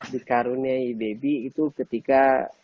di karuniai baby itu ketika